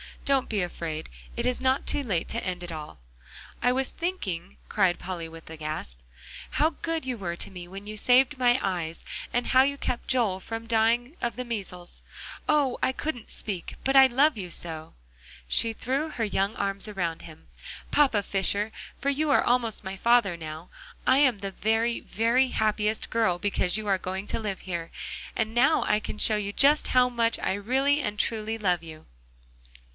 Don't be afraid; it is not too late to end it all." "I was thinking," cried Polly with a gasp, "how good you were to me, when you saved my eyes, and how you kept Joel from dying of the measles. Oh! I couldn't speak but I love you so." She threw her young arms around him. "Papa Fisher for you are almost my father now I am the very, very happiest girl because you are going to live here, and now I can show you just how much I really and truly love you."